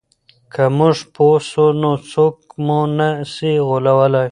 که موږ پوه سو نو څوک مو نه سي غولولای.